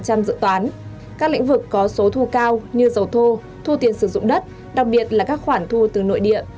các lĩnh vực có số thu cao như dầu thô thu tiền sử dụng đất đặc biệt là các khoản thu từ nội địa